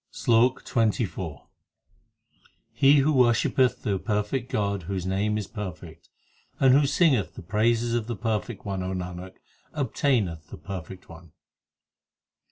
SLOK XXIV He who worshippeth the perfect God whose name is perfect, And who singeth the praises of the perfect One, O Nanak, obtaineth the perfect One.